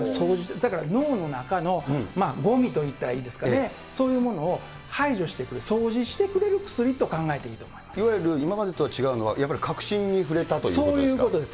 だから脳の中のごみといったらいいですかね、そういうものを排除してくれる、掃除してくれる薬といわゆる今までとは違うのは、やっぱり核心に触れたということですか。